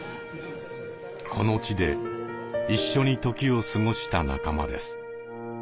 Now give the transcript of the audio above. この地で一緒に時を過ごした仲間です。